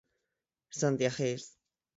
Santiagués.